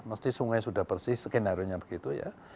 mesti sungai sudah bersih skenario nya begitu ya